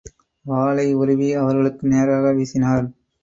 வாளை உருவி, அவர்களுக்கு நேராக வீசினார்.